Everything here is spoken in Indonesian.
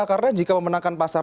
karena jika memenangkan pasar